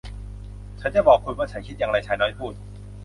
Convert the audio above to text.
ฉันจะบอกคุณว่าฉันคิดอย่างไรชายน้อยพูด